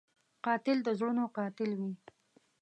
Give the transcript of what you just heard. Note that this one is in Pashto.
قاتل د زړونو قاتل وي